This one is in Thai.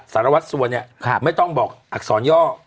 สารวัตรสัวเนี่ยไม่ต้องบอกอักษรย่อ